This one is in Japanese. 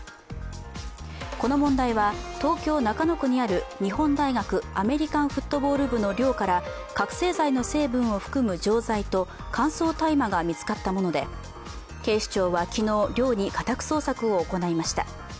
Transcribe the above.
この問題は、東京・中野区にある日本大学アメリカンフットボール部の寮から覚醒剤の成分を含む錠剤と乾燥大麻が見つかったもので警視庁は昨日、寮に家宅捜索を行いました。